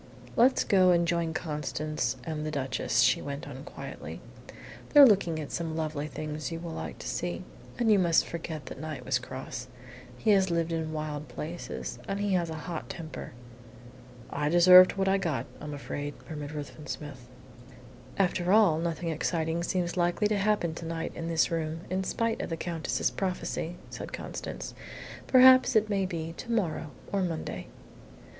"Let's go and join Constance and the Duchess," she went on, quietly. "They're looking at some lovely things you will like to see. And you must forget that Knight was cross. He has lived in wild places, and he has a hot temper." "I deserved what I got, I'm afraid," murmured Ruthven Smith. "After all, nothing exciting seems likely to happen to night in this room, in spite of the Countess's prophecy," said Constance. "Perhaps it may be to morrow or Monday."